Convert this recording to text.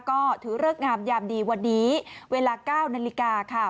ก็ถือเลิกงามยามดีวันนี้เวลา๙นาฬิกาค่ะ